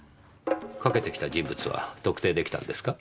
かけてきた人物は特定出来たんですか？